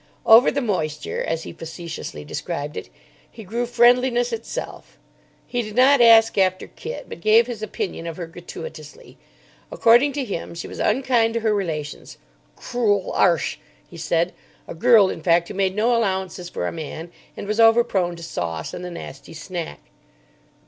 Over the moisture, as he facetiously described it, he grew friendliness itself. He did not ask after Kit, but gave his opinion of her gratuitously. According to him, she was unkind to her relations. "Crool 'arsh," he said. A girl, in fact, who made no allowances for a man, and was over prone to Sauce and the Nasty Snack.